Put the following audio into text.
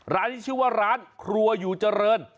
ร้านนี้ชื่อว่าร้านครัวอยู่เจริญ